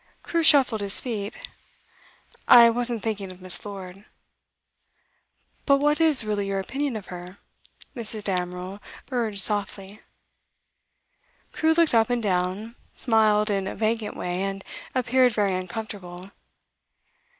Crewe shuffled his feet. 'I wasn't thinking of Miss. Lord.' 'But what is really your opinion of her?' Mrs. Damerel urged softly. Crewe looked up and down, smiled in a vacant way, and appeared very uncomfortable.